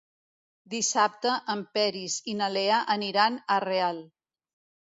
Dissabte en Peris i na Lea aniran a Real.